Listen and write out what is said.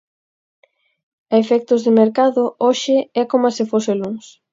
A efectos de mercado hoxe é coma se fose luns.